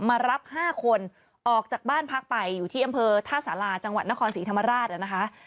มารับ๕คนออกจากบ้านพักไปอยู่ที่อำเภอท่าสาราจังหวัดนครศรีธรรมราชนะคะ